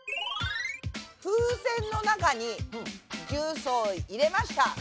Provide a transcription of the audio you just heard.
風船の中に重曹を入れました。